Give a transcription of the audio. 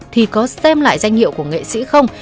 thì có xem lại danh hiệu của nghệ sĩ không